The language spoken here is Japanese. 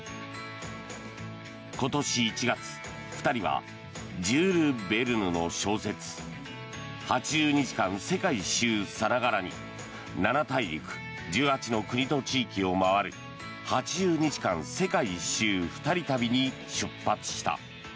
今年１月、２人はジュール・ベルヌの小説「八十日間世界一周」さながらに７大陸１８の国と地域を回る８０日間世界一周２人旅に出発した。